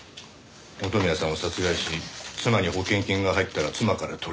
元宮さんを殺害し妻に保険金が入ったら妻から取り立てる。